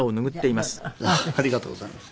ありがとうございます。